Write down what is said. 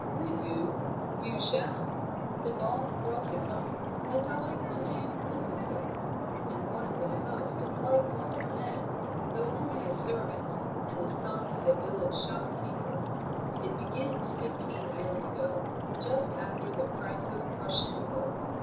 "Would you? You shall Thibaut Rossignol; delightful name, isn't it? And one of the most delightful of men, though only a servant, and the son of a village shopkeeper. It begins fifteen years ago, just after the Franco Prussian War.